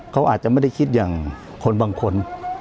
เขาอาจจะไม่ได้คิดอย่างคนบางคน